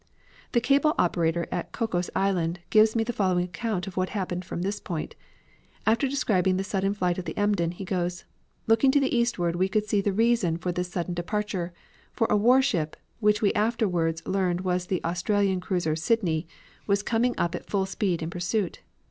The cable operator at Cocos Island gives the following account of what happened from this point. After describing the sudden flight of the Emden, he goes on: "Looking to the eastward we could see the reason for this sudden departure, for a warship, which we afterwards learned was the Australian cruiser Sydney, was coming up at full speed in pursuit.